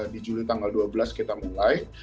di juli tanggal dua belas kita mulai